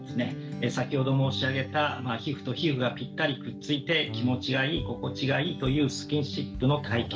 先ほど申し上げた皮膚と皮膚がぴったりくっついて気持ちがいい心地がいいというスキンシップの体験